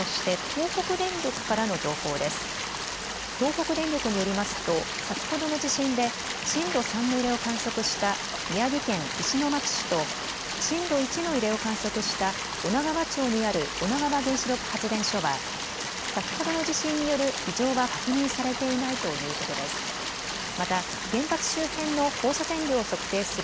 東北電力によりますと先ほどの地震で震度３の揺れを観測した宮城県石巻市と震度１の揺れを観測した女川町にある女川原子力発電所は先ほどの地震による異常は確認されていないということです。